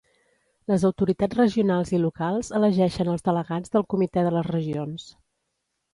Les autoritats regionals i locals elegeixen els delegats del Comitè de les Regions.